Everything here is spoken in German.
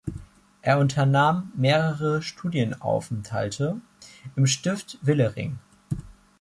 Er unternahm mehrere Studienaufenthalte im Stift Wilhering.